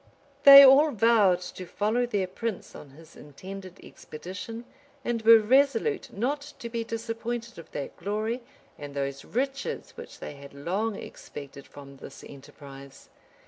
they all vowed to follow their prince on his intended expedition, and were resolute not to be disappointed of that glory and those riches which they had long expected from this enterprise.